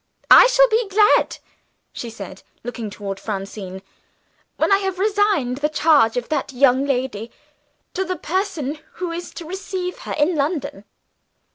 "I shall be glad," she said, looking toward Francine, "when I have resigned the charge of that young lady to the person who is to receive her in London."